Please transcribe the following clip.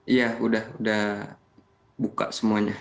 iya udah buka semuanya